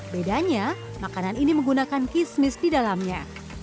bedanya makanan ini menggunakan kismis di dalamnya